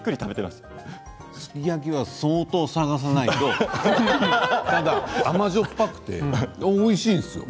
すき焼きは相当探さないと甘じょっぱくて、おいしいです。